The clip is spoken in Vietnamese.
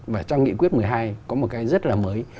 và trong nghị quyết một mươi hai có một cái rất là mới